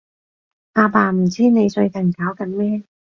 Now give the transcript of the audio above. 阿爸唔知你最近搞緊咩